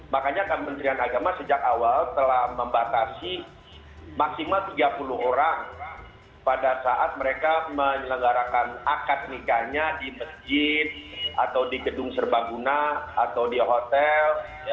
makanya kementerian agama sejak awal telah membatasi maksimal tiga puluh orang pada saat mereka menyelenggarakan akad nikahnya di masjid atau di gedung serbaguna atau di hotel